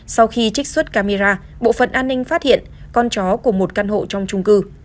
sau khi trích xuất camera bộ phận an ninh phát hiện con chó của một căn hộ trong trung cư